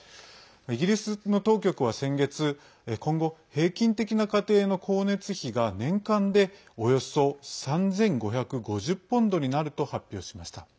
イギリスの当局は先月今後、平均的な家庭の光熱費が年間でおよそ３５５０ポンドになると発表しました。